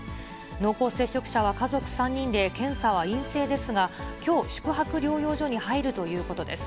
濃厚接触者は家族３人で検査は陰性ですが、きょう、宿泊療養所に入るということです。